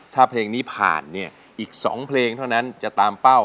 ถ้าเพลงนี้ผ่านเนี่ยอีก๒เพลงเท่านั้นจะตามเป้า